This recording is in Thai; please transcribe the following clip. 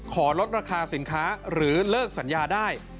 ลดราคาสินค้าหรือเลิกสัญญาได้